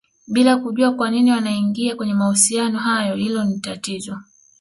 bila kujua kwanini wanaingia kwenye mahusiano hayo hilo ni tatizo